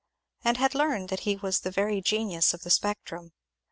and had learned that he was the very genius of the spectrum.